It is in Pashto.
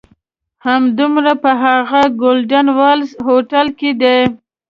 همدومره په هغه "ګولډن والز" هوټل کې دي.